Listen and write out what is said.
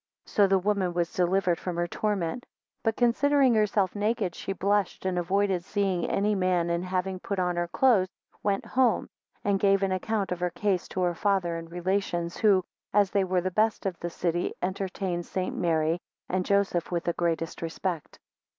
4 So the woman was delivered from her torment; but considering herself naked, she blushed, and avoided seeing any man and having put on her clothes, went home, and gave an account of her case to her father and relations who, as they were the best of the city, entertained St. Mary and Joseph with the greatest respect.